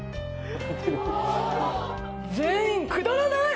全員くだらない！